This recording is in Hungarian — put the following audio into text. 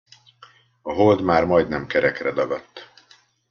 A Hold már majdnem kerekre dagadt.